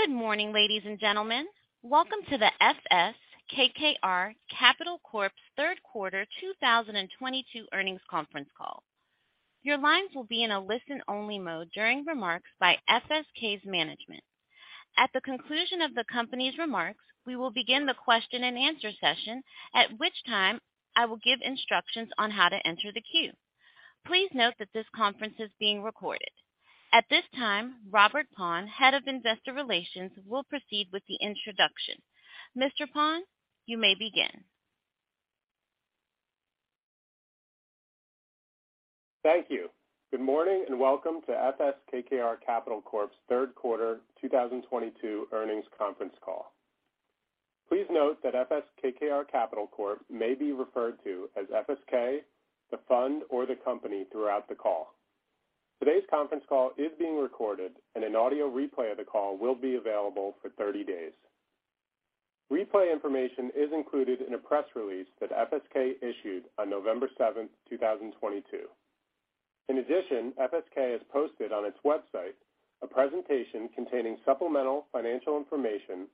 Good morning, ladies and gentlemen. Welcome to the FS KKR Capital Corp.'s third quarter 2022 earnings conference call. Your lines will be in a listen-only mode during remarks by FSK's management. At the conclusion of the company's remarks, we will begin the question-and-answer session, at which time I will give instructions on how to enter the queue. Please note that this conference is being recorded. At this time, Robert Paun, Head of Investor Relations, will proceed with the introduction. Mr. Paun, you may begin. Thank you. Good morning, and welcome to FS KKR Capital Corp.'s third quarter 2022 earnings conference call. Please note that FS KKR Capital Corp may be referred to as FSK, the Fund, or the Company throughout the call. Today's conference call is being recorded, and an audio replay of the call will be available for 30 days. Replay information is included in a press release that FSK issued on November 7, 2022. In addition, FSK has posted on its website a presentation containing supplemental financial information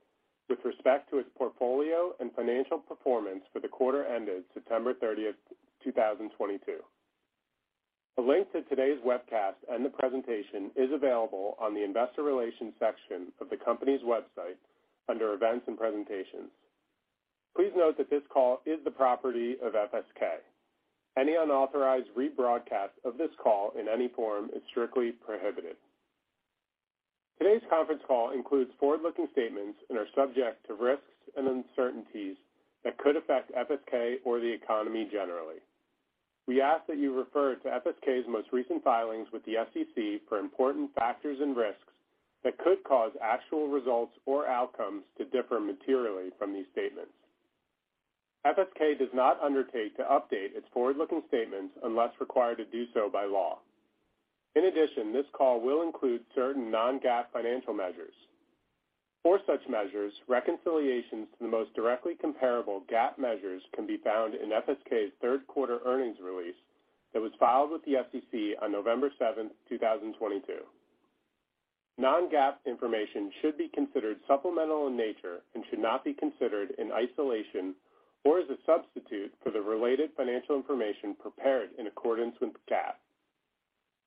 with respect to its portfolio and financial performance for the quarter ended September 30, 2022. A link to today's webcast and the presentation is available on the Investor Relations section of the company's website under Events and Presentations. Please note that this call is the property of FSK. Any unauthorized rebroadcast of this call in any form is strictly prohibited. Today's conference call includes forward-looking statements and are subject to risks and uncertainties that could affect FSK or the economy generally. We ask that you refer to FSK's most recent filings with the SEC for important factors and risks that could cause actual results or outcomes to differ materially from these statements. FSK does not undertake to update its forward-looking statements unless required to do so by law. In addition, this call will include certain non-GAAP financial measures. For such measures, reconciliations to the most directly comparable GAAP measures can be found in FSK's third quarter earnings release that was filed with the SEC on November 7, 2022. Non-GAAP information should be considered supplemental in nature and should not be considered in isolation or as a substitute for the related financial information prepared in accordance with GAAP.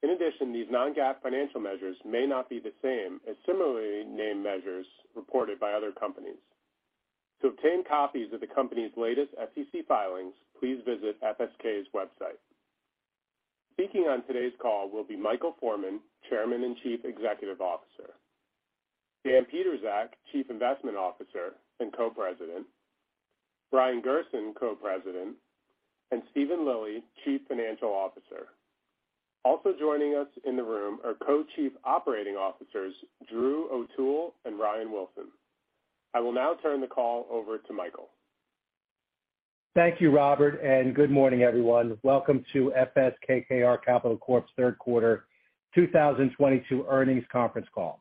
In addition, these non-GAAP financial measures may not be the same as similarly named measures reported by other companies. To obtain copies of the company's latest SEC filings, please visit FSK's website. Speaking on today's call will be Michael Forman, Chairman and Chief Executive Officer, Dan Pietrzak, Chief Investment Officer and Co-President, Brian Gerson, Co-President, and Steven Lilly, Chief Financial Officer. Also joining us in the room are Co-Chief Operating Officers Drew O'Toole and Ryan Wilson. I will now turn the call over to Michael. Thank you, Robert, and good morning, everyone. Welcome to FS KKR Capital Corp.'s third quarter 2022 earnings conference call.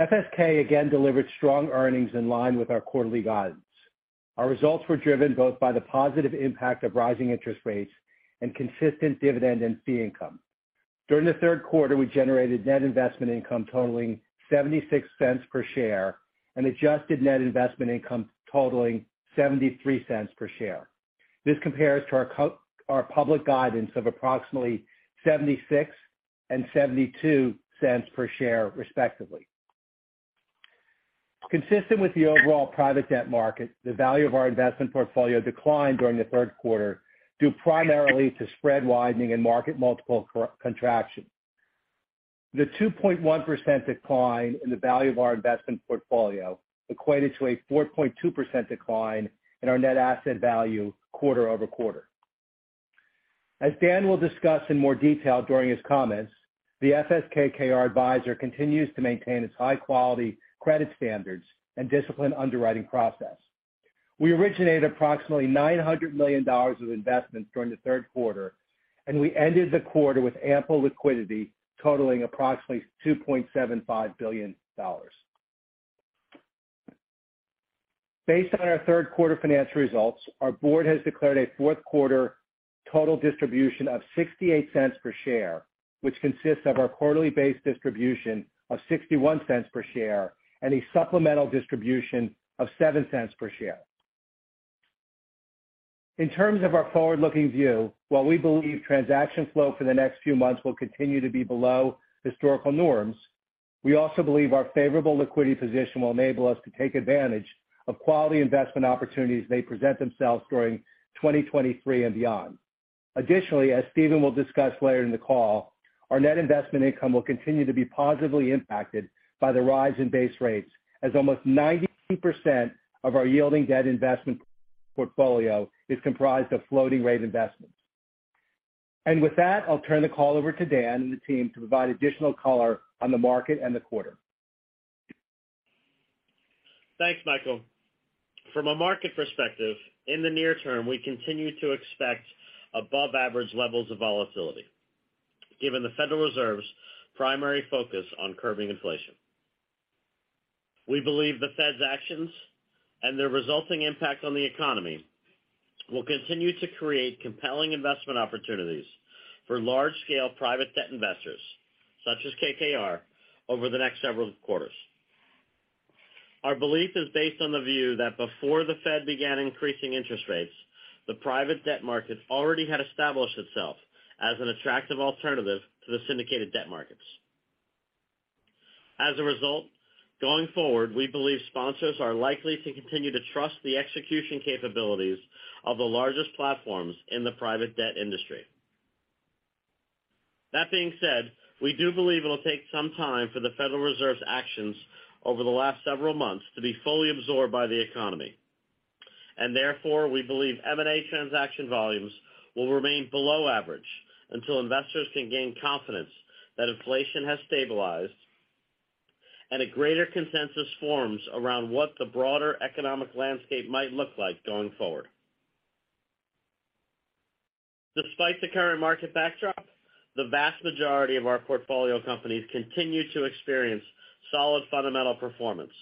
FSK again delivered strong earnings in line with our quarterly guidance. Our results were driven both by the positive impact of rising interest rates and consistent dividend and fee income. During the third quarter, we generated net investment income totaling $0.76 per share and adjusted net investment income totaling $0.73 per share. This compares to our public guidance of approximately $0.76 and $0.72 per share, respectively. Consistent with the overall private debt market, the value of our investment portfolio declined during the third quarter due primarily to spread widening and market multiple contraction. The 2.1% decline in the value of our investment portfolio equated to a 4.2% decline in our net asset value quarter-over-quarter. As Dan will discuss in more detail during his comments, the FS/KKR Advisor continues to maintain its high-quality credit standards and disciplined underwriting process. We originated approximately $900 million of investments during the third quarter, and we ended the quarter with ample liquidity totaling approximately $2.75 billion. Based on our third quarter financial results, our board has declared a fourth quarter total distribution of $0.68 per share, which consists of our quarterly base distribution of $0.61 per share and a supplemental distribution of $0.07 per share. In terms of our forward-looking view, while we believe transaction flow for the next few months will continue to be below historical norms, we also believe our favorable liquidity position will enable us to take advantage of quality investment opportunities as they present themselves during 2023 and beyond. Additionally, as Steven will discuss later in the call, our net investment income will continue to be positively impacted by the rise in base rates, as almost 90% of our yielding debt investment portfolio is comprised of floating rate investments. With that, I'll turn the call over to Dan and the team to provide additional color on the market and the quarter. Thanks, Michael. From a market perspective, in the near term, we continue to expect above average levels of volatility given the Federal Reserve's primary focus on curbing inflation. We believe the Fed's actions and the resulting impact on the economy will continue to create compelling investment opportunities for large scale private debt investors, such as KKR over the next several quarters. Our belief is based on the view that before the Fed began increasing interest rates, the private debt market already had established itself as an attractive alternative to the syndicated debt markets. As a result, going forward, we believe sponsors are likely to continue to trust the execution capabilities of the largest platforms in the private debt industry. That being said, we do believe it'll take some time for the Federal Reserve's actions over the last several months to be fully absorbed by the economy. Therefore, we believe M&A transaction volumes will remain below average until investors can gain confidence that inflation has stabilized and a greater consensus forms around what the broader economic landscape might look like going forward. Despite the current market backdrop, the vast majority of our portfolio companies continue to experience solid fundamental performance,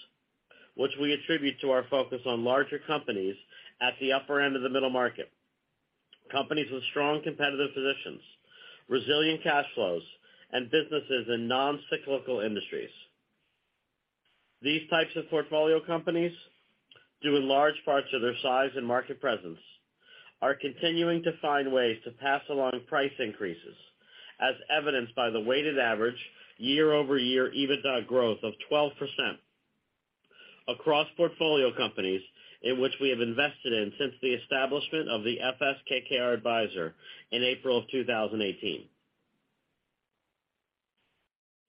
which we attribute to our focus on larger companies at the upper end of the middle market. Companies with strong competitive positions, resilient cash flows, and businesses in non-cyclical industries. These types of portfolio companies, due in large parts of their size and market presence, are continuing to find ways to pass along price increases, as evidenced by the weighted average year-over-year EBITDA growth of 12% across portfolio companies in which we have invested in since the establishment of the FS/KKR Advisor in April of 2018.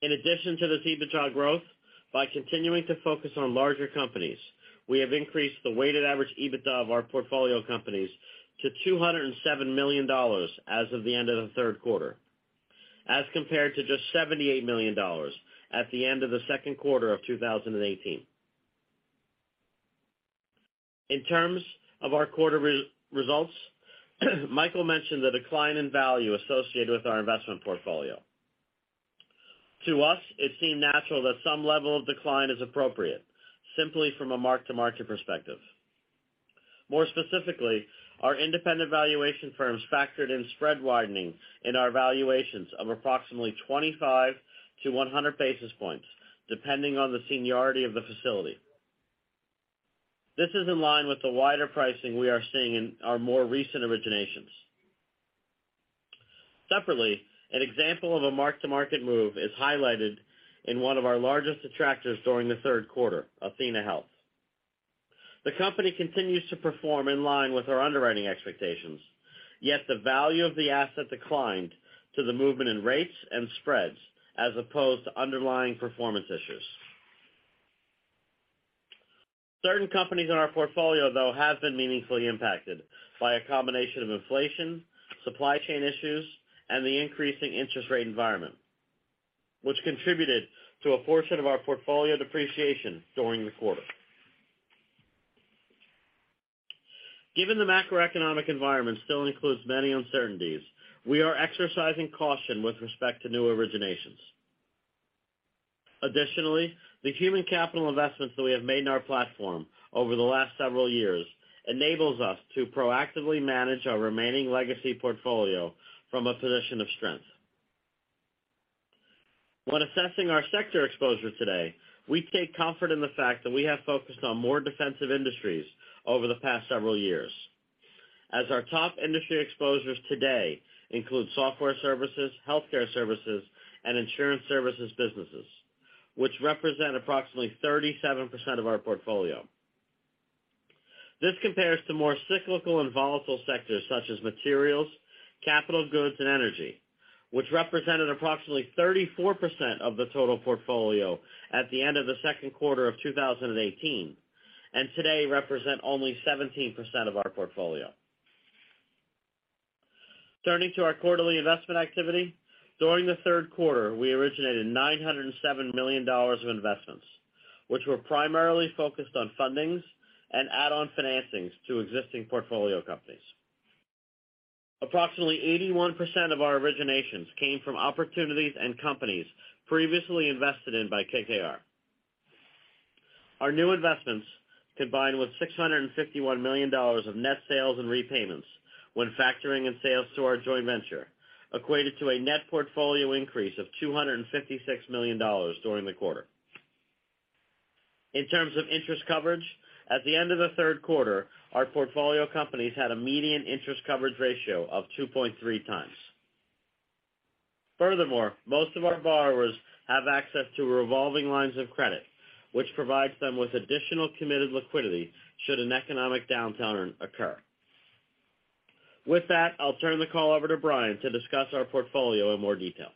In addition to this EBITDA growth, by continuing to focus on larger companies, we have increased the weighted average EBITDA of our portfolio companies to $207 million as of the end of the third quarter, as compared to just $78 million at the end of the second quarter of 2018. In terms of our quarter's results, Michael mentioned the decline in value associated with our investment portfolio. To us, it seemed natural that some level of decline is appropriate simply from a mark-to-market perspective. More specifically, our independent valuation firms factored in spread widening in our valuations of approximately 25-100 basis points, depending on the seniority of the facility. This is in line with the wider pricing we are seeing in our more recent originations. Separately, an example of a mark-to-market move is highlighted in one of our largest attractors during the third quarter, athenahealth. The company continues to perform in line with our underwriting expectations, yet the value of the asset declined due to the movement in rates and spreads as opposed to underlying performance issues. Certain companies in our portfolio, though, have been meaningfully impacted by a combination of inflation, supply chain issues, and the increasing interest rate environment, which contributed to a portion of our portfolio depreciation during the quarter. Given the macroeconomic environment still includes many uncertainties, we are exercising caution with respect to new originations. Additionally, the human capital investments that we have made in our platform over the last several years enables us to proactively manage our remaining legacy portfolio from a position of strength. When assessing our sector exposure today, we take comfort in the fact that we have focused on more defensive industries over the past several years, as our top industry exposures today include software services, healthcare services, and insurance services businesses, which represent approximately 37% of our portfolio. This compares to more cyclical and volatile sectors such as materials, capital goods, and energy, which represented approximately 34% of the total portfolio at the end of the second quarter of 2018, and today represent only 17% of our portfolio. Turning to our quarterly investment activity. During the third quarter, we originated $907 million of investments, which were primarily focused on fundings and add-on financings to existing portfolio companies. Approximately 81% of our originations came from opportunities and companies previously invested in by KKR. Our new investments, combined with $651 million of net sales and repayments when factoring in sales to our joint venture, equated to a net portfolio increase of $256 million during the quarter. In terms of interest coverage, at the end of the third quarter, our portfolio companies had a median interest coverage ratio of 2.3 times. Furthermore, most of our borrowers have access to revolving lines of credit, which provides them with additional committed liquidity should an economic downturn occur. With that, I'll turn the call over to Brian to discuss our portfolio in more detail.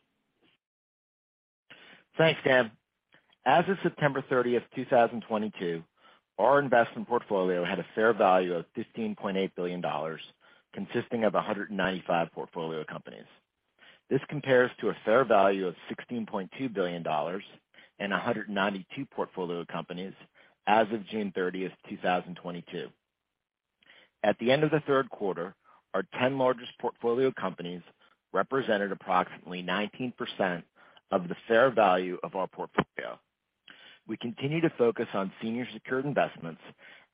Thanks, Dan. As of September 30, 2022, our investment portfolio had a fair value of $15.8 billion, consisting of 195 portfolio companies. This compares to a fair value of $16.2 billion and 192 portfolio companies as of June 30, 2022. At the end of the third quarter, our 10 largest portfolio companies represented approximately 19% of the fair value of our portfolio. We continue to focus on senior secured investments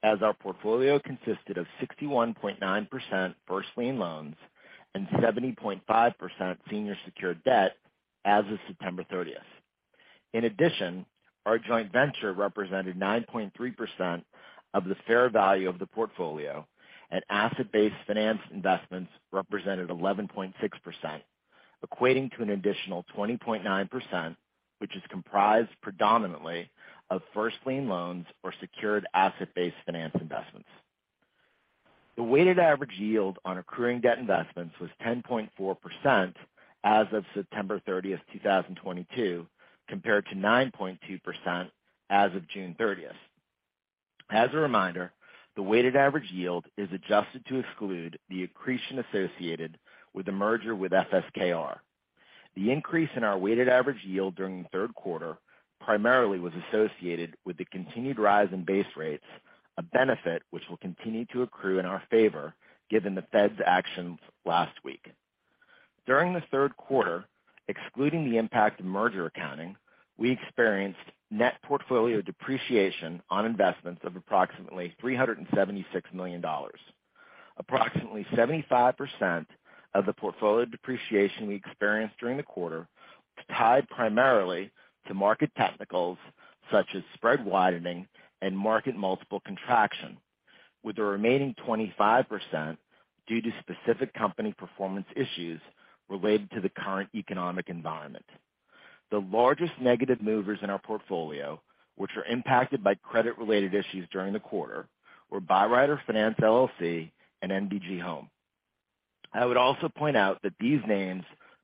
as our portfolio consisted of 61.9% first lien loans and 70.5% senior secured debt as of September 30. In addition, our joint venture represented 9.3% of the fair value of the portfolio, and asset-based finance investments represented 11.6%, equating to an additional 20.9%, which is comprised predominantly of first lien loans or secured asset-based finance investments. The weighted average yield on accruing debt investments was 10.4% as of September 30, 2022, compared to 9.2% as of June 30. As a reminder, the weighted average yield is adjusted to exclude the accretion associated with the merger with FSKR. The increase in our weighted average yield during the third quarter primarily was associated with the continued rise in base rates, a benefit which will continue to accrue in our favor given the Fed's actions last week. During the third quarter, excluding the impact of merger accounting, we experienced net portfolio depreciation on investments of approximately $376 million. Approximately 75% of the portfolio depreciation we experienced during the quarter was tied primarily to market technicals such as spread widening and market multiple contraction, with the remaining 25% due to specific company performance issues related to the current economic environment. The largest negative movers in our portfolio, which were impacted by credit-related issues during the quarter, were Byrider Finance LLC and NBG Home. I would also point out that these names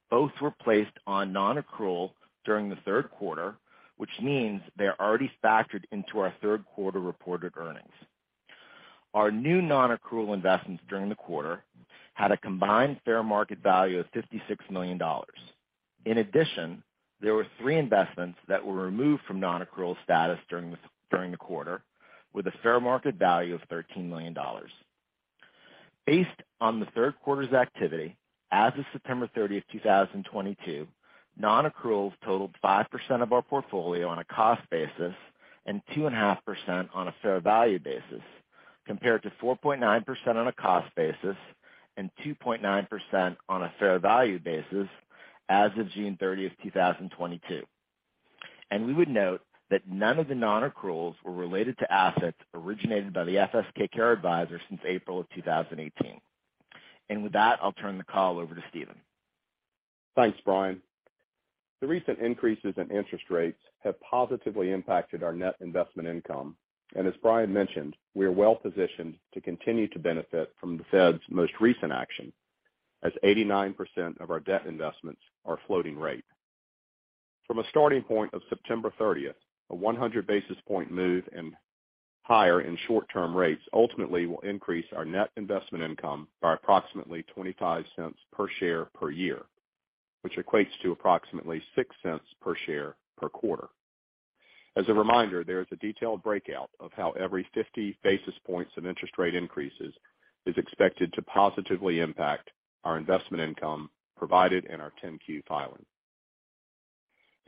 both were placed on non-accrual during the third quarter, which means they are already factored into our third quarter reported earnings. Our new non-accrual investments during the quarter had a combined fair market value of $56 million. In addition, there were three investments that were removed from non-accrual status during the quarter with a fair market value of $13 million. Based on the third quarter's activity, as of September 30, 2022, non-accruals totaled 5% of our portfolio on a cost basis and 2.5% on a fair value basis, compared to 4.9% on a cost basis and 2.9% on a fair value basis as of June 30, 2022. We would note that none of the non-accruals were related to assets originated by the FS/KKR Advisor since April 2018. With that, I'll turn the call over to Steven. Thanks, Brian. The recent increases in interest rates have positively impacted our net investment income. As Brian mentioned, we are well-positioned to continue to benefit from the Fed's most recent action, as 89% of our debt investments are floating rate. From a starting point of September thirtieth, a 100 basis point move and higher in short-term rates ultimately will increase our net investment income by approximately $0.25 per share per year, which equates to approximately $0.06 per share per quarter. As a reminder, there is a detailed breakout of how every 50 basis points of interest rate increases is expected to positively impact our investment income provided in our 10-Q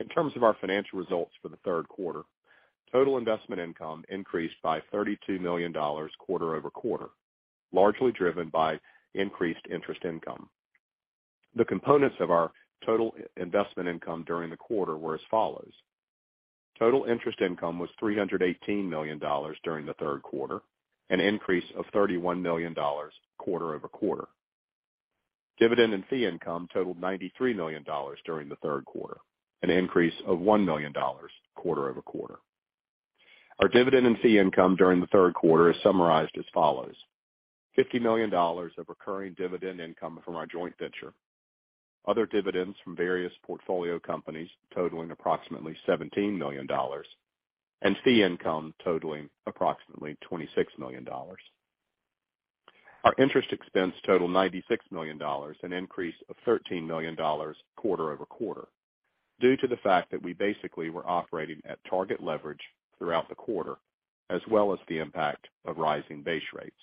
filing. In terms of our financial results for the third quarter, total investment income increased by $32 million quarter-over-quarter, largely driven by increased interest income. The components of our total investment income during the quarter were as follows. Total interest income was $318 million during the third quarter, an increase of $31 million quarter-over-quarter. Dividend and fee income totaled $93 million during the third quarter, an increase of $1 million quarter-over-quarter. Our dividend and fee income during the third quarter is summarized as follows. $50 million of recurring dividend income from our joint venture. Other dividends from various portfolio companies totaling approximately $17 million. And fee income totaling approximately $26 million. Our interest expense totaled $96 million, an increase of $13 million quarter-over-quarter, due to the fact that we basically were operating at target leverage throughout the quarter, as well as the impact of rising base rates.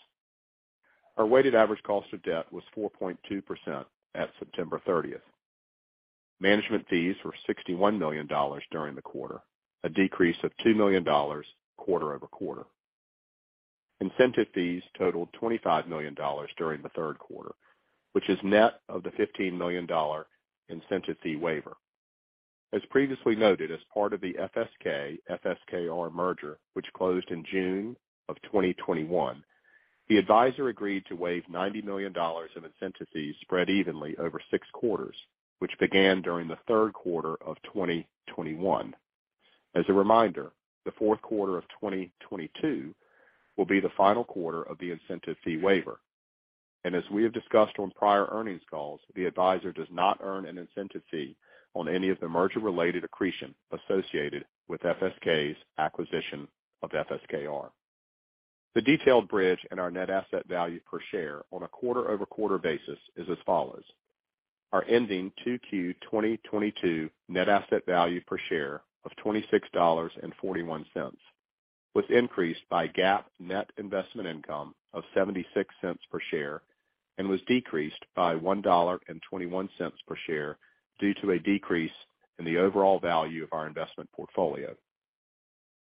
Our weighted average cost of debt was 4.2% at September 30. Management fees were $61 million during the quarter, a decrease of $2 million quarter-over-quarter. Incentive fees totaled $25 million during the third quarter, which is net of the $15 million incentive fee waiver. As previously noted, as part of the FSK-FSKR merger which closed in June 2021, the advisor agreed to waive $90 million in incentive fees spread evenly over 6 quarters, which began during the third quarter of 2021. As a reminder, the fourth quarter of 2022 will be the final quarter of the incentive fee waiver. As we have discussed on prior earnings calls, the advisor does not earn an incentive fee on any of the merger-related accretion associated with FSK's acquisition of FSKR. The detailed bridge in our net asset value per share on a quarter-over-quarter basis is as follows. Our ending 2Q 2022 net asset value per share of $26.41 was increased by GAAP net investment income of $0.76 per share and was decreased by $1.21 per share due to a decrease in the overall value of our investment portfolio.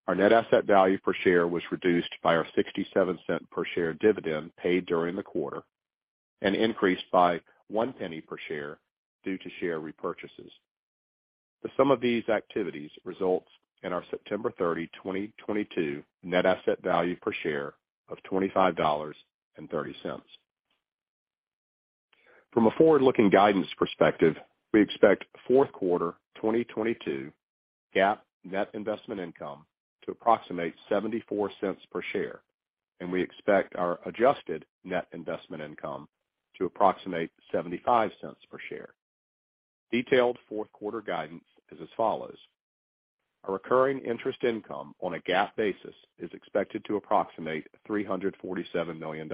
Our net asset value per share was reduced by our $0.67 per share dividend paid during the quarter and increased by $0.01 per share due to share repurchases. The sum of these activities results in our September 30, 2022 net asset value per share of $25.30. From a forward-looking guidance perspective, we expect fourth quarter 2022 GAAP net investment income to approximate $0.74 per share, and we expect our adjusted net investment income to approximate $0.75 per share. Detailed fourth quarter guidance is as follows: Our recurring interest income on a GAAP basis is expected to approximate $347 million.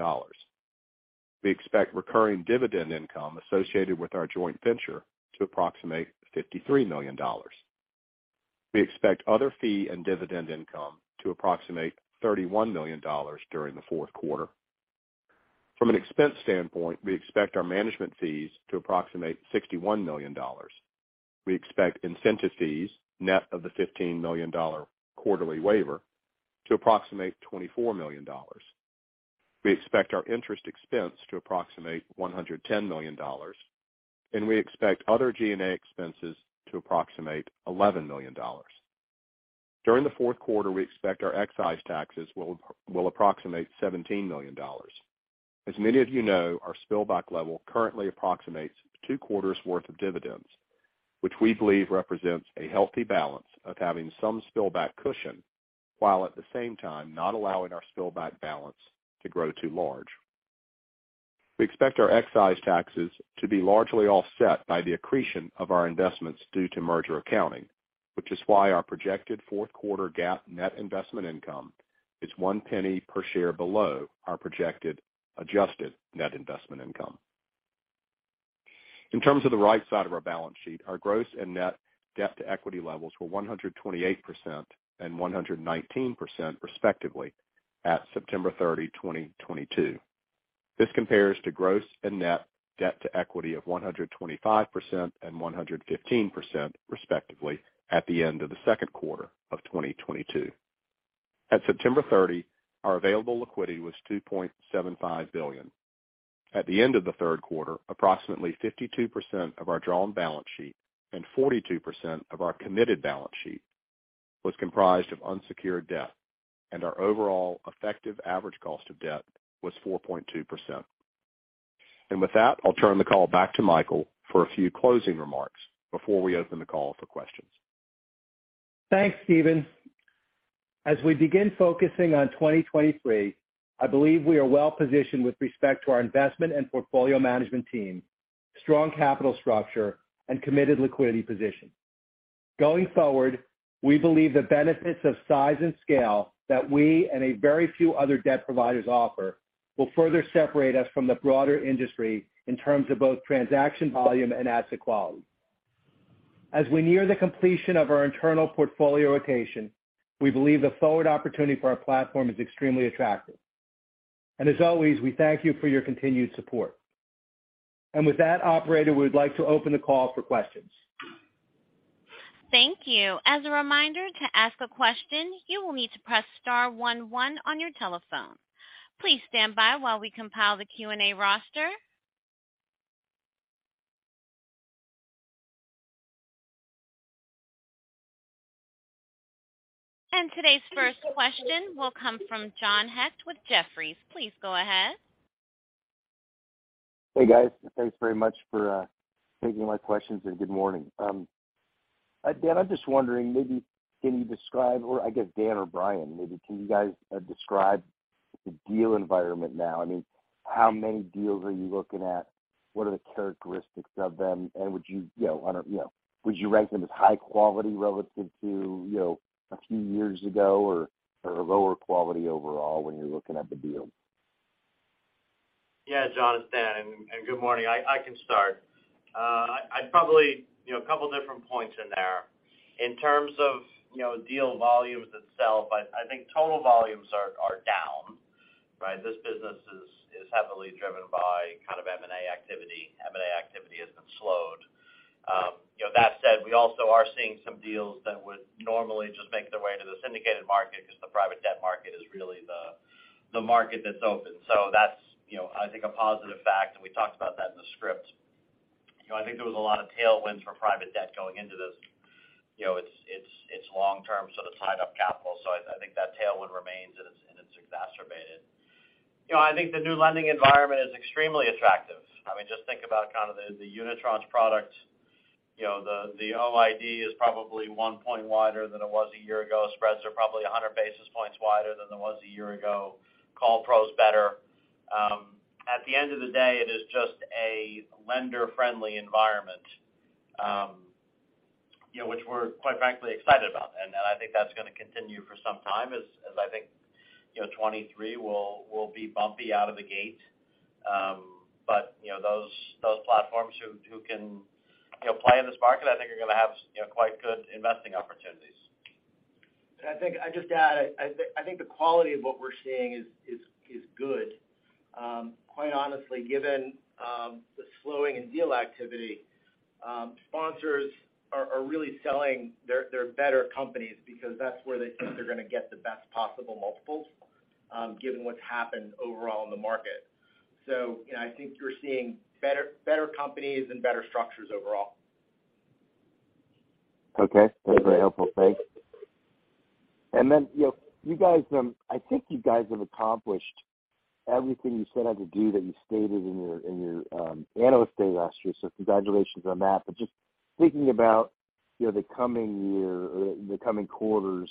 We expect recurring dividend income associated with our joint venture to approximate $53 million. We expect other fee and dividend income to approximate $31 million during the fourth quarter. From an expense standpoint, we expect our management fees to approximate $61 million. We expect incentive fees, net of the $15 million quarterly waiver, to approximate $24 million. We expect our interest expense to approximate $110 million, and we expect other G&A expenses to approximate $11 million. During the fourth quarter, we expect our excise taxes will approximate $17 million. As many of you know, our spillover level currently approximates two quarters' worth of dividends, which we believe represents a healthy balance of having some spillover cushion, while at the same time not allowing our spillover balance to grow too large. We expect our excise taxes to be largely offset by the accretion of our investments due to merger accounting, which is why our projected fourth quarter GAAP net investment income is $0.01 per share below our projected adjusted net investment income. In terms of the right side of our balance sheet, our gross and net debt to equity levels were 128% and 119% respectively at September 30, 2022. This compares to gross and net debt to equity of 125% and 115% respectively at the end of the second quarter of 2022. At September 30, our available liquidity was $2.75 billion. At the end of the third quarter, approximately 52% of our drawn balance sheet and 42% of our committed balance sheet was comprised of unsecured debt, and our overall effective average cost of debt was 4.2%. With that, I'll turn the call back to Michael for a few closing remarks before we open the call for questions. Thanks, Steven. As we begin focusing on 2023, I believe we are well positioned with respect to our investment and portfolio management team, strong capital structure, and committed liquidity position. Going forward, we believe the benefits of size and scale that we and a very few other debt providers offer will further separate us from the broader industry in terms of both transaction volume and asset quality. As we near the completion of our internal portfolio rotation, we believe the forward opportunity for our platform is extremely attractive. As always, we thank you for your continued support. With that, operator, we would like to open the call for questions. Thank you. As a reminder, to ask a question, you will need to press star one one on your telephone. Please stand by while we compile the Q&A roster. Today's first question will come from John Hecht with Jefferies. Please go ahead. Hey, guys. Thanks very much for taking my questions and good morning. Dan, I'm just wondering, maybe can you describe or I guess Dan or Brian, maybe can you guys describe the deal environment now? I mean, how many deals are you looking at? What are the characteristics of them? And would you know, would you rank them as high quality relative to, you know, a few years ago or lower quality overall when you're looking at the deals? Yeah, John, it's Dan. Good morning. I can start. I'd probably, you know, a couple of different points in there. In terms of, you know, deal volumes itself, I think total volumes are down, right? This business is heavily driven by kind of M&A activity. M&A activity has been slowed. You know, that said, we also are seeing some deals that would normally just make their way to the syndicated market 'cause the private debt market is really the market that's open. So that's, you know, I think a positive fact, and we talked about that in the script. You know, I think there was a lot of tailwinds for private debt going into this. You know, it's long-term, so the tied up capital. So I think that tailwind remains and it's exacerbated. You know, I think the new lending environment is extremely attractive. I mean, just think about kind of the unitranche products. You know, the OID is probably 1 point wider than it was a year ago. Spreads are probably 100 basis points wider than it was a year ago. Call protection better. At the end of the day, it is just a lender-friendly environment, you know, which we're quite frankly excited about. I think that's gonna continue for some time as I think, you know, 2023 will be bumpy out of the gate. You know, those platforms who can, you know, play in this market, I think are gonna have, you know, quite good investing opportunities. I'd just add, I think the quality of what we're seeing is good. Quite honestly, given the slowing in deal activity, sponsors are really selling their better companies because that's where they think they're gonna get the best possible multiples, given what's happened overall in the market. You know, I think you're seeing better companies and better structures overall. Okay. That's very helpful. Thanks. You know, you guys, I think you guys have accomplished everything you set out to do that you stated in your analyst day last year, so congratulations on that. Just thinking about, you know, the coming year or the coming quarters,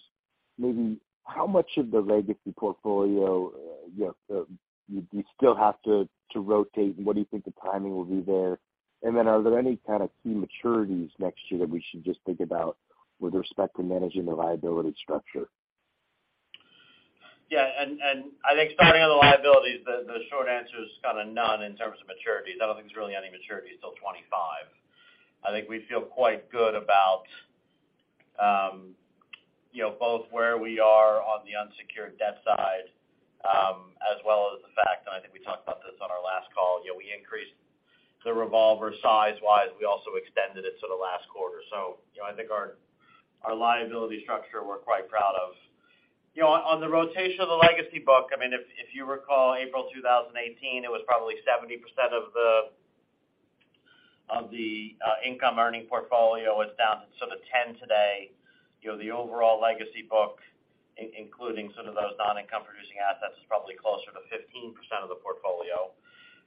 maybe how much of the legacy portfolio, you know, you still have to rotate, and what do you think the timing will be there? Are there any kind of key maturities next year that we should just think about with respect to managing the liability structure? Yeah, I think starting on the liabilities, the short answer is kinda none in terms of maturities. I don't think there's really any maturities till 25. I think we feel quite good about, you know, both where we are on the unsecured debt side, as well as the fact, and I think we talked about this on our last call, you know, we increased the revolver size-wise, we also extended it to the last quarter. You know, I think our liability structure, we're quite proud of. You know, on the rotation of the legacy book, I mean, if you recall, April 2018, it was probably 70% of the income earning portfolio. It's down to sort of 10 today. You know, the overall legacy book including sort of those non-income producing assets, is probably closer to 15% of the portfolio.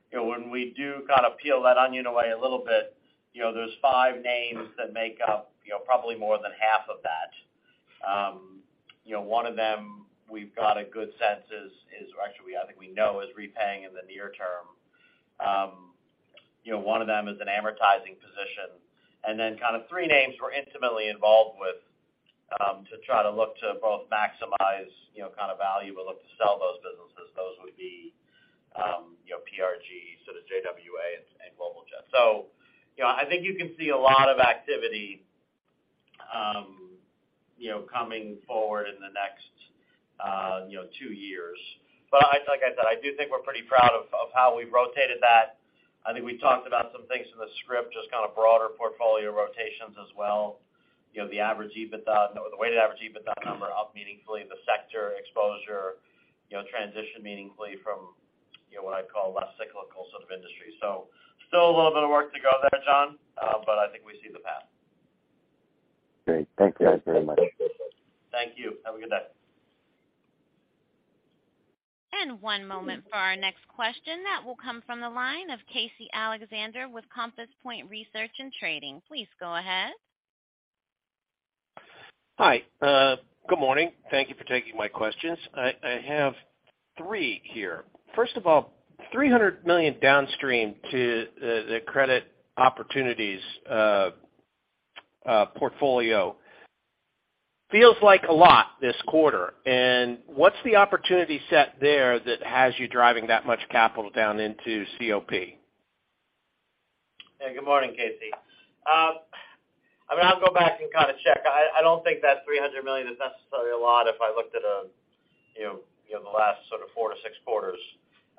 You know, when we do kind of peel that onion away a little bit, you know, there's five names that make up, you know, probably more than half of that. You know, one of them we've got a good sense I think we know is repaying in the near term. You know, one of them is an amortizing position. Kind of three names we're intimately involved with to try to look to both maximize, you know, kind of value, but look to sell those businesses. Those would be, you know, PRG, sort of JWA and Global Jet Capital. You know, I think you can see a lot of activity, you know, coming forward in the next, you know, two years. I, like I said, I do think we're pretty proud of how we've rotated that. I think we talked about some things in the script, just kind of broader portfolio rotations as well. You know, the weighted average EBITDA number up meaningfully, the sector exposure, you know, transition meaningfully from, you know, what I'd call less cyclical sort of industry. Still a little bit of work to go there, John, but I think we see the path. Great. Thank you guys very much. Thank you. Have a good day. One moment for our next question that will come from the line of Casey Alexander with Compass Point Research and Trading. Please go ahead. Hi. Good morning. Thank you for taking my questions. I have three here. First of all, $300 million downstream to the credit opportunities portfolio feels like a lot this quarter. What's the opportunity set there that has you driving that much capital down into COP? Yeah. Good morning, Casey. I mean, I'll go back and kinda check. I don't think that $300 million is necessarily a lot if I looked at a, you know, the last sort of 4-6 quarters.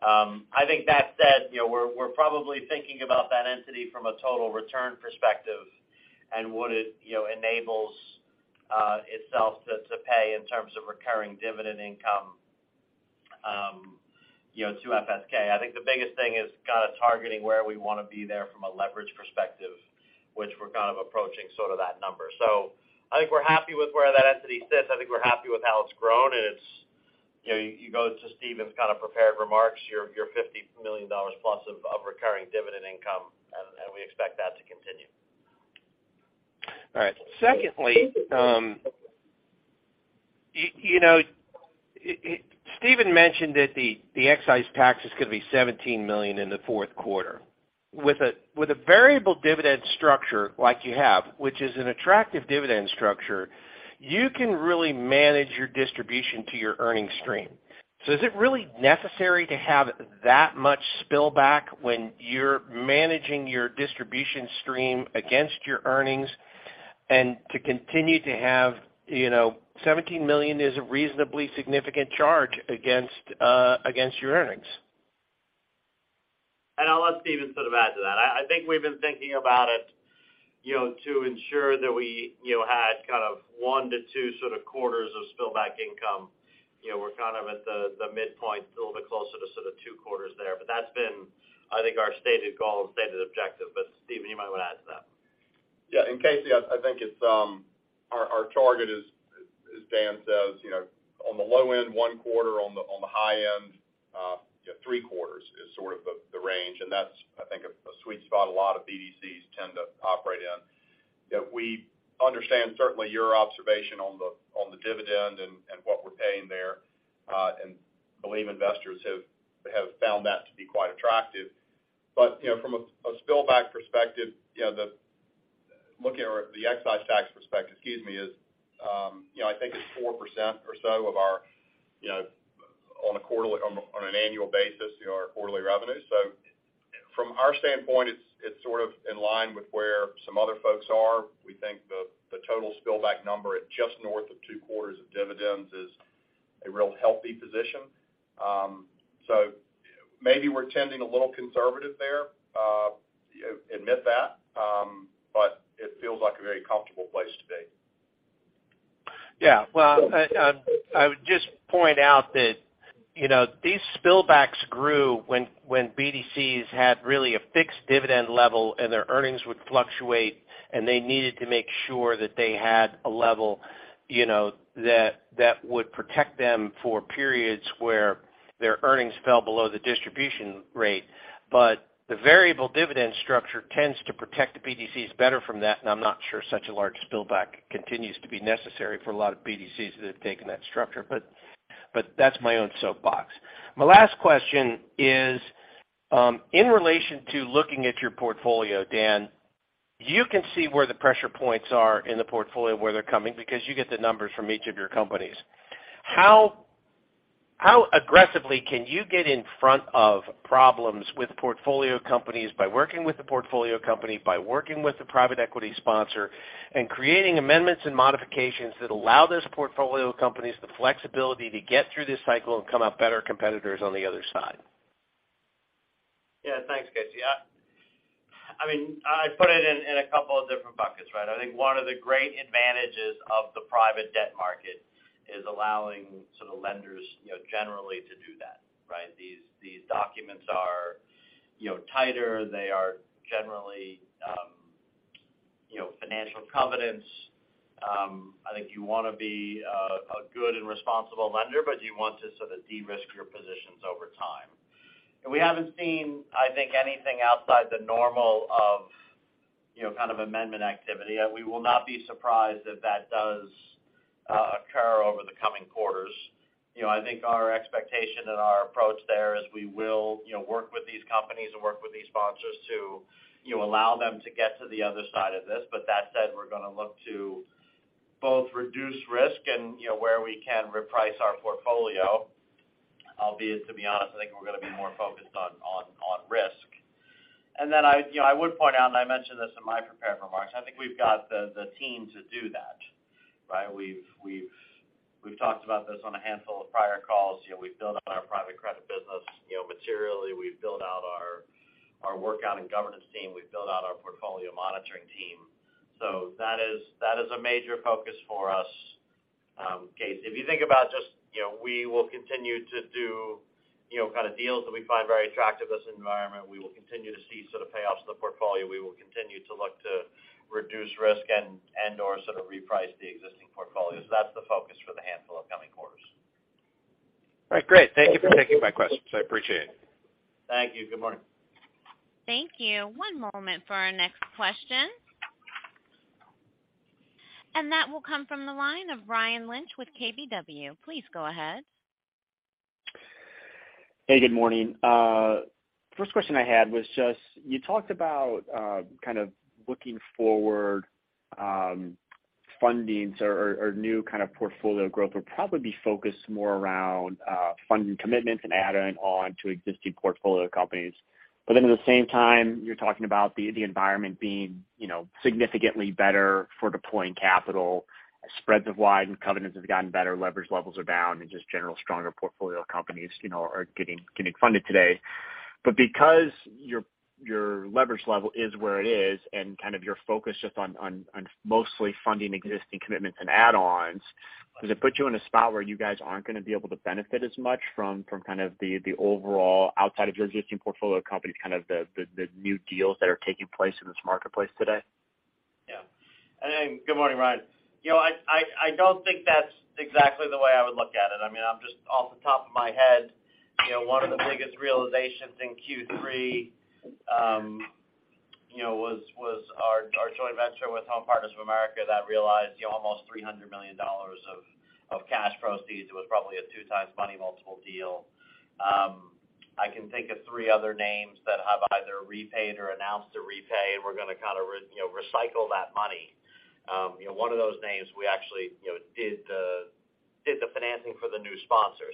I think that said, you know, we're probably thinking about that entity from a total return perspective and what it, you know, enables itself to pay in terms of recurring dividend income, you know, to FSK. I think the biggest thing is kinda targeting where we wanna be there from a leverage perspective, which we're kind of approaching sort of that number. I think we're happy with where that entity sits. I think we're happy with how it's grown. You know, you go to Steven's kind of prepared remarks, your $50 million plus of recurring dividend income, and we expect that to continue. All right. Secondly, you know, Steven mentioned that the excise tax is gonna be $17 million in the fourth quarter. With a variable dividend structure like you have, which is an attractive dividend structure, you can really manage your distribution to your earnings stream. Is it really necessary to have that much spillover when you're managing your distribution stream against your earnings and to continue to have, you know, $17 million is a reasonably significant charge against your earnings. I'll let Steven sort of add to that. I think we've been thinking about it, you know, to ensure that we, you know, had kind of 1-2 sort of quarters of spillover income. You know, we're kind of at the midpoint, a little bit closer to sort of 2 quarters there. That's been, I think, our stated goal and stated objective. Steven, you might wanna add to that. Yeah. Casey, I think it's our target is, as Dan says, you know, on the low end, one quarter, on the high end, you know, three quarters is sort of the range. That's, I think, a sweet spot a lot of BDCs tend to operate in. You know, we understand certainly your observation on the dividend and what we're paying there, and believe investors have found that to be quite attractive. You know, from a spillover perspective, you know, the excise tax perspective, excuse me, is I think it's 4% or so of our, you know, on an annual basis, you know, our quarterly revenue. From our standpoint, it's sort of in line with where some other folks are. We think the total spillover number at just north of two quarters of dividends is a real healthy position. Maybe we're tending a little conservative there, you know, admit that. It feels like a very comfortable place to be. I would just point out that, you know, these spillovers grew when BDCs had really a fixed dividend level and their earnings would fluctuate, and they needed to make sure that they had a level, you know, that would protect them for periods where their earnings fell below the distribution rate. The variable dividend structure tends to protect the BDCs better from that, and I'm not sure such a large spillover continues to be necessary for a lot of BDCs that have taken that structure. That's my own soapbox. My last question is, in relation to looking at your portfolio, Dan, you can see where the pressure points are in the portfolio, where they're coming, because you get the numbers from each of your companies. How aggressively can you get in front of problems with portfolio companies by working with the portfolio company, by working with the private equity sponsor, and creating amendments and modifications that allow those portfolio companies the flexibility to get through this cycle and come out better competitors on the other side? Yeah. Thanks, Casey. I mean, I put it in a couple of different buckets, right? I think one of the great advantages of the private debt market is allowing sort of lenders, you know, generally to do that, right? These documents are, you know, tighter. They are generally, you know, financial covenants. I think you wanna be a good and responsible lender, but you want to sort of de-risk your positions over time. We haven't seen, I think, anything outside the normal of, you know, kind of amendment activity. We will not be surprised if that does occur over the coming quarters. You know, I think our expectation and our approach there is we will, you know, work with these companies and work with these sponsors to, you know, allow them to get to the other side of this. That said, we're gonna look to both reduce risk and, you know, where we can reprice our portfolio. Albeit, to be honest, I think we're gonna be more focused on risk. Then I, you know, I would point out, and I mentioned this in my prepared remarks, I think we've got the team to do that, right? We've talked about this on a handful of prior calls. You know, we've built out our private credit business. You know, materially, we've built out our workout and governance team. We've built out our portfolio monitoring team. So that is a major focus for us, Casey. If you think about just, you know, we will continue to do, you know, kind of deals that we find very attractive in this environment. We will continue to see sort of payoffs in the portfolio. We will continue to look to reduce risk and/or sort of reprice the existing portfolio. That's the focus for the handful of coming quarters. All right. Great. Thank you for taking my questions. I appreciate it. Thank you. Good morning. Thank you. One moment for our next question. That will come from the line of Ryan Lynch with KBW. Please go ahead. Hey, good morning. First question I had was just, you talked about kind of looking forward, fundings or new kind of portfolio growth would probably be focused more around, funding commitments and adding on to existing portfolio companies. At the same time, you're talking about the environment being, you know, significantly better for deploying capital. Spreads have widened, covenants have gotten better, leverage levels are down, and just general stronger portfolio companies, you know, are getting funded today. Because your leverage level is where it is and kind of your focus just on mostly funding existing commitments and add-ons, does it put you in a spot where you guys aren't gonna be able to benefit as much from kind of the overall outside of your existing portfolio company, kind of the new deals that are taking place in this marketplace today? Yeah. Good morning, Ryan. You know, I don't think that's exactly the way I would look at it. I mean, I'm just off the top of my head, you know, one of the biggest realizations in Q3, you know, was our joint venture with Home Partners of America that realized, you know, almost $300 million of cash proceeds. It was probably a 2x money multiple deal. I can think of three other names that have either repaid or announced a repay, and we're gonna kinda recycle that money. You know, one of those names, we actually, you know, did the financing for the new sponsor.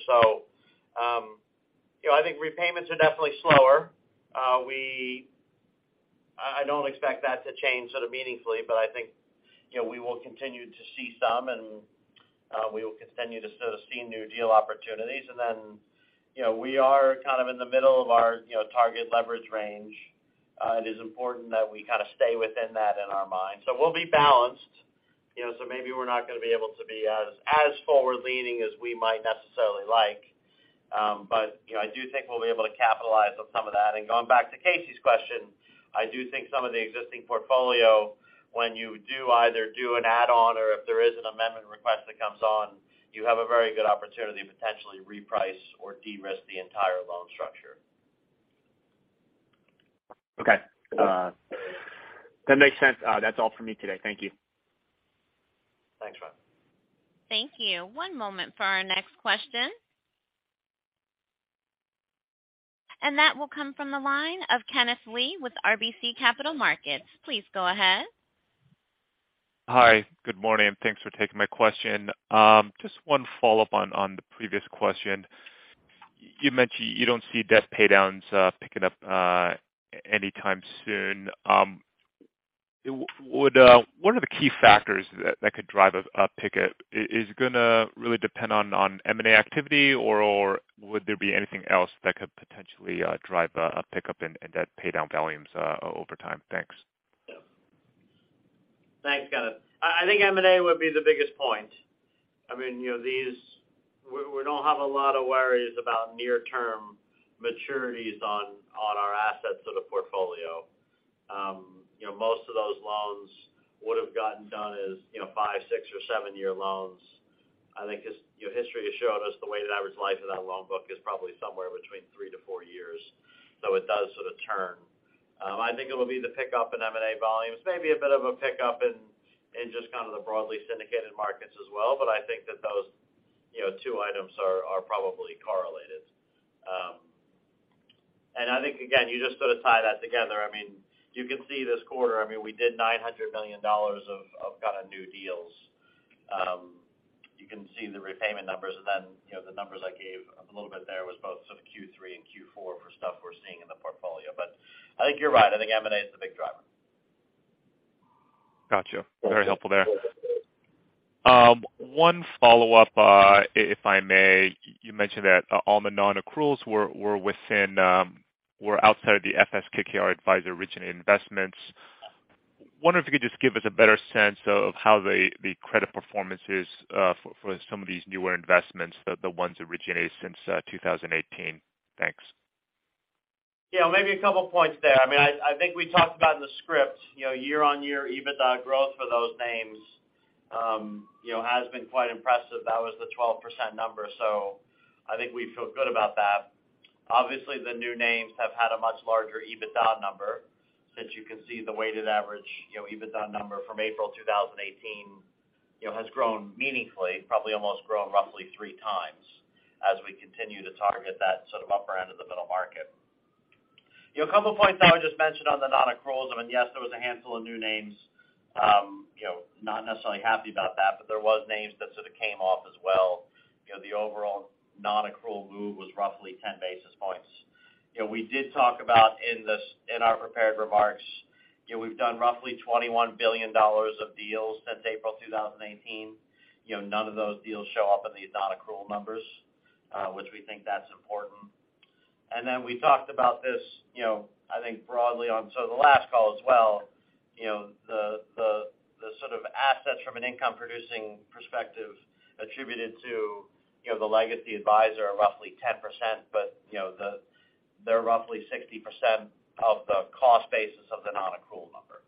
You know, I think repayments are definitely slower. I don't expect that to change sort of meaningfully, but I think, you know, we will continue to see some and we will continue to sort of see new deal opportunities. You know, we are kind of in the middle of our, you know, target leverage range. It is important that we kind of stay within that in our mind. We'll be balanced. You know, maybe we're not gonna be able to be as forward-leaning as we might necessarily like. But, you know, I do think we'll be able to capitalize on some of that. Going back to Casey's question, I do think some of the existing portfolio, when you do either an add-on or if there is an amendment request that comes on, you have a very good opportunity to potentially reprice or de-risk the entire loan structure. Okay. That makes sense. That's all for me today. Thank you. Thanks, Ryan. Thank you. One moment for our next question. That will come from the line of Kenneth Lee with RBC Capital Markets. Please go ahead. Hi, good morning, and thanks for taking my question. Just one follow-up on the previous question. You mentioned you don't see debt paydowns picking up anytime soon. What are the key factors that could drive a pickup? Is it gonna really depend on M&A activity or would there be anything else that could potentially drive a pickup in debt paydown volumes over time? Thanks. Yeah. Thanks, Kenneth. I think M&A would be the biggest point. I mean, you know, we don't have a lot of worries about near-term maturities on our assets of the portfolio. You know, most of those loans would have gotten done as, you know, 5-, 6-, or 7-year loans. I think just, you know, history has shown us the way the average life of that loan book is probably somewhere between 3-4 years. It does sort of turn. I think it'll be the pickup in M&A volumes, maybe a bit of a pickup in just kind of the broadly syndicated markets as well. I think that those, you know, two items are probably correlated. I think again, you just sort of tie that together. I mean, you can see this quarter. I mean, we did $900 million of kind of new deals. You can see the repayment numbers and then, you know, the numbers I gave a little bit there was both sort of Q3 and Q4 for stuff we're seeing in the portfolio. I think you're right. I think M&A is the big driver. Gotcha. Very helpful there. One follow-up, if I may. You mentioned that all the non-accruals were outside of the FS/KKR Advisor originating investments. Wondering if you could just give us a better sense of how the credit performance is for some of these newer investments, the ones originated since 2018. Thanks. Yeah, maybe a couple of points there. I mean, I think we talked about in the script, you know, year-on-year EBITDA growth for those names, you know, has been quite impressive. That was the 12% number. So I think we feel good about that. Obviously, the new names have had a much larger EBITDA number since you can see the weighted average, you know, EBITDA number from April 2018, you know, has grown meaningfully, probably almost grown roughly 3 times as we continue to target that sort of upper end of the middle market. You know, a couple of points I would just mention on the non-accruals. I mean, yes, there was a handful of new names, not necessarily happy about that, but there was names that sort of came off as well. You know, the overall non-accrual move was roughly 10 basis points. You know, we did talk about in our prepared remarks, you know, we've done roughly $21 billion of deals since April 2018. You know, none of those deals show up in the non-accrual numbers, which we think that's important. Then we talked about this, you know, I think broadly on sort of the last call as well, you know, the sort of assets from an income producing perspective attributed to, you know, the legacy advisor are roughly 10%, but you know, they're roughly 60% of the cost basis of the non-accrual number.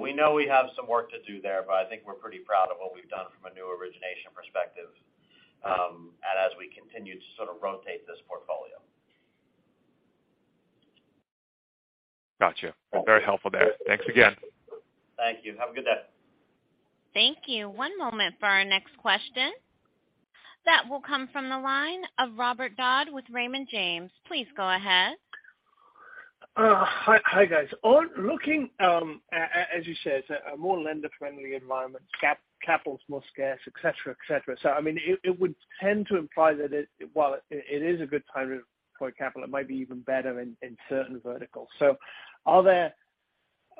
We know we have some work to do there, but I think we're pretty proud of what we've done from a new origination perspective, and as we continue to sort of rotate this portfolio. Gotcha. Very helpful there. Thanks again. Thank you. Have a good day. Thank you. One moment for our next question. That will come from the line of Robert Dodd with Raymond James. Please go ahead. Hi, guys. On looking, as you said, a more lender-friendly environment, capital is more scarce, et cetera. I mean, it would tend to imply that it—while it is a good time for capital, it might be even better in certain verticals. Are there?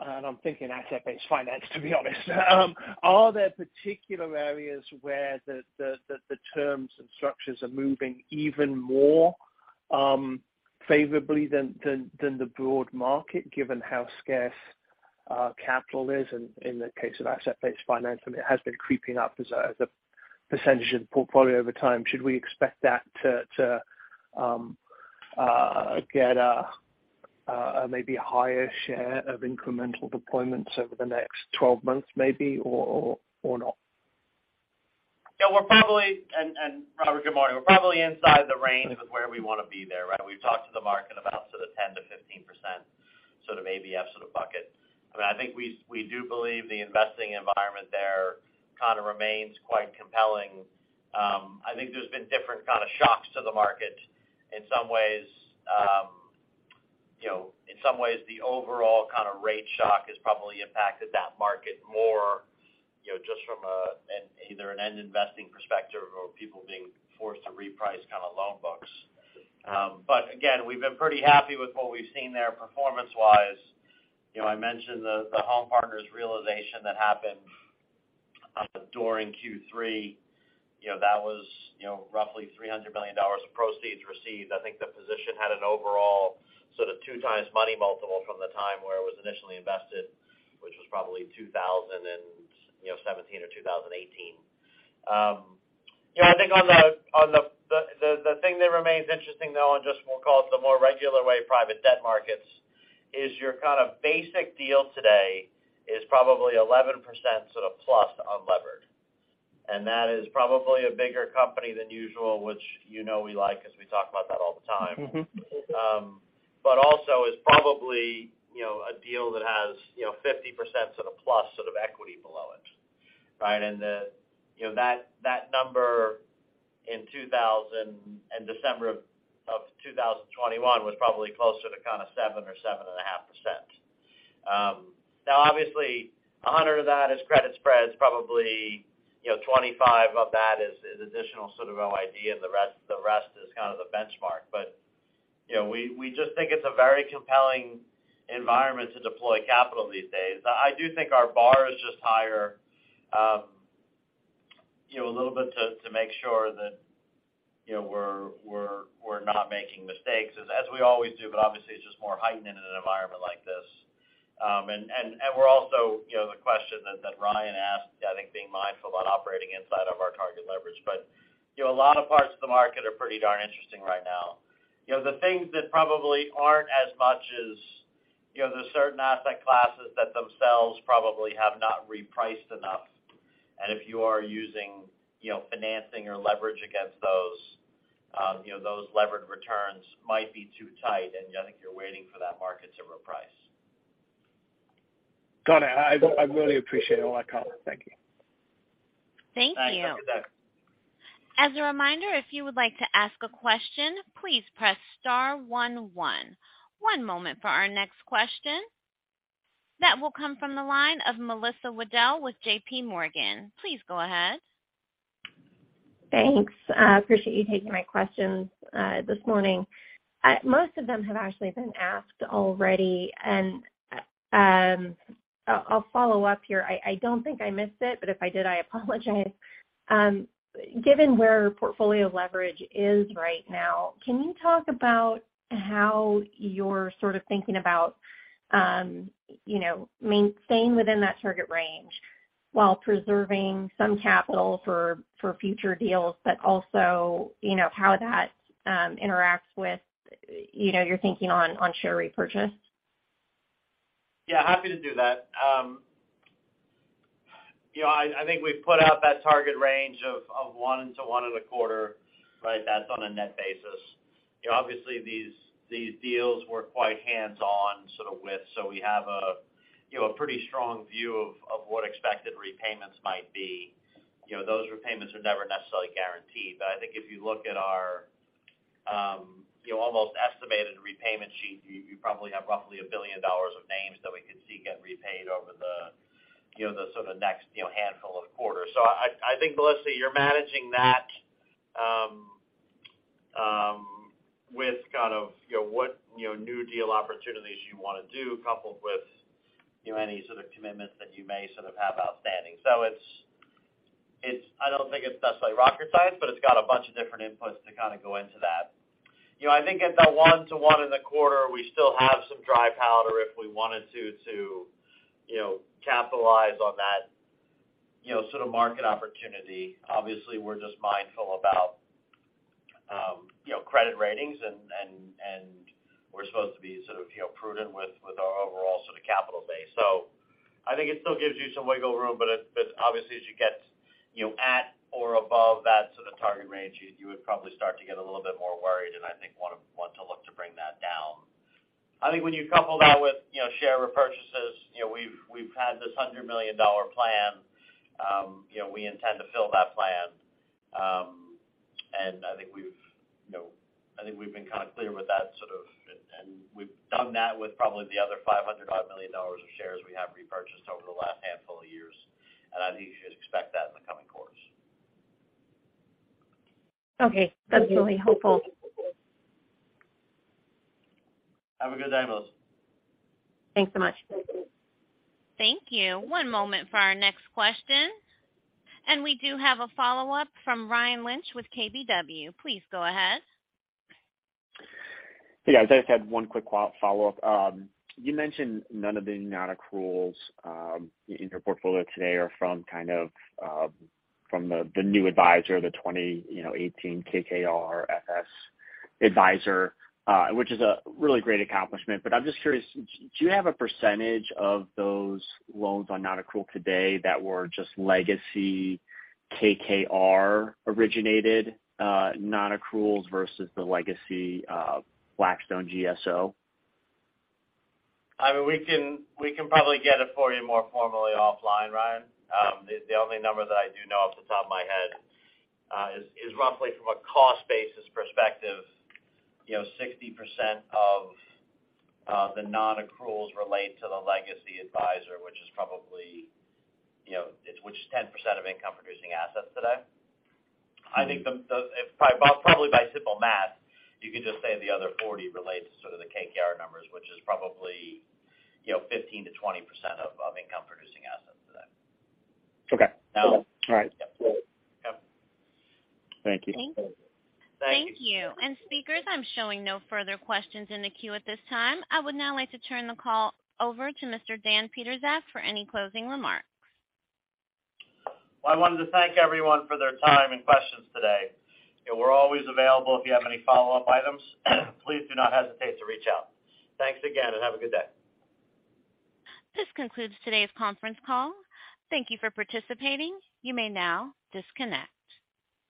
I'm thinking asset-based finance, to be honest. Are there particular areas where the terms and structures are moving even more favorably than the broad market, given how scarce capital is in the case of asset-based finance? I mean, it has been creeping up as a percentage of the portfolio over time. Should we expect that to get a maybe a higher share of incremental deployments over the next 12 months maybe, or not? Yeah, Robert, good morning. We're probably inside the range of where we want to be there, right? We've talked to the market about sort of 10%-15% sort of ABF sort of bucket. I mean, I think we do believe the investing environment there kind of remains quite compelling. I think there's been different kind of shocks to the market in some ways. You know, in some ways, the overall kind of rate shock has probably impacted that market more, you know, just from an investing perspective or people being forced to reprice kind of loan books. But again, we've been pretty happy with what we've seen there performance-wise. You know, I mentioned the Home Partners realization that happened during Q3. You know, that was, you know, roughly $300 million of proceeds received. I think the position had an overall sort of 2x money multiple from the time where it was initially invested, which was probably 2017 or 2018. Yeah, I think on the thing that remains interesting, though, and just we'll call it the more regular way private debt markets is your kind of basic deal today is probably 11% sort of plus unlevered. That is probably a bigger company than usual, which you know we like as we talk about that all the time. Mm-hmm. Also is probably, you know, a deal that has, you know, 50% sort of plus sort of equity below it. Right. You know, that number in December of 2021 was probably closer to kind of 7% or 7.5%. Now obviously 100 of that is credit spreads, probably, you know, 25 of that is additional sort of OID, and the rest is kind of the benchmark. You know, we just think it's a very compelling environment to deploy capital these days. I do think our bar is just higher, you know, a little bit to make sure that, you know, we're not making mistakes as we always do. Obviously it's just more heightened in an environment like this. We're also, you know, the question that Ryan asked, I think being mindful about operating inside of our target leverage. You know, a lot of parts of the market are pretty darn interesting right now. You know, the things that probably aren't as much as, you know, the certain asset classes that themselves probably have not repriced enough. If you are using, you know, financing or leverage against those, you know, those levered returns might be too tight, and I think you're waiting for that market to reprice. Got it. I really appreciate all that color. Thank you. Thank you. All right. Talk to you soon. As a reminder, if you would like to ask a question, please press star one one. One moment for our next question. That will come from the line of Melissa Wedel with J.P. Morgan. Please go ahead. Thanks. I appreciate you taking my questions this morning. Most of them have actually been asked already. I'll follow up here. I don't think I missed it, but if I did, I apologize. Given where portfolio leverage is right now, can you talk about how you're sort of thinking about you know, maintaining within that target range while preserving some capital for future deals, but also you know, how that interacts with you know, your thinking on share repurchase? Yeah, happy to do that. You know, I think we've put out that target range of 1-1.25, right? That's on a net basis. You know, obviously these deals we're quite hands-on sort of with, so we have a you know, a pretty strong view of what expected repayments might be. You know, those repayments are never necessarily guaranteed. I think if you look at our you know, almost estimated repayment sheet, you probably have roughly $1 billion of names that we could see get repaid over the you know, the sort of next you know, handful of quarters. I think, Melissa, you're managing that with kind of, you know, what, you know, new deal opportunities you wanna do coupled with, you know, any sort of commitments that you may sort of have outstanding. It's. I don't think it's necessarily rocket science, but it's got a bunch of different inputs to kind of go into that. You know, I think at the 1 to 1.25, we still have some dry powder if we wanted to, you know, capitalize on that, you know, sort of market opportunity. Obviously, we're just mindful about, you know, credit ratings and and we're supposed to be sort of, you know, prudent with our overall sort of capital base. I think it still gives you some wiggle room, but obviously as you get you know at or above that sort of target range, you would probably start to get a little bit more worried and I think want to look to bring that down. I think when you couple that with you know share repurchases, you know we've had this $100 million plan. You know we intend to fill that plan. I think we've been kind of clear with that sort of, you know. We've done that with probably the other $500-odd million of shares we have repurchased over the last handful of years. I think you should expect that in the coming quarters. Okay. That's really helpful. Have a good day, Melissa. Thanks so much. Thank you. One moment for our next question. We do have a follow-up from Ryan Lynch with KBW. Please go ahead. Hey, guys. I just had one quick follow-up. You mentioned none of the non-accruals in your portfolio today are from kind of from the new advisor, the 2018 FS/KKR Advisor, which is a really great accomplishment. I'm just curious, do you have a percentage of those loans on non-accrual today that were just legacy KKR originated non-accruals versus the legacy Blackstone GSO? I mean, we can probably get it for you more formally offline, Ryan. The only number that I do know off the top of my head is roughly from a cost basis perspective, you know, 60% of the non-accruals relate to the legacy advisor, which is probably, you know, which is 10% of income-producing assets today. Mm-hmm. I think, well, probably by simple math, you could just say the other 40 relates to sort of the KKR numbers, which is probably, you know, 15%-20% of income-producing assets today. Okay. So. All right. Yep. Thank you. Thank you. Thank you. Speakers, I'm showing no further questions in the queue at this time. I would now like to turn the call over to Mr. Dan Pietrzak for any closing remarks. Well, I wanted to thank everyone for their time and questions today. You know, we're always available if you have any follow-up items. Please do not hesitate to reach out. Thanks again, and have a good day. This concludes today's conference call. Thank you for participating. You may now disconnect.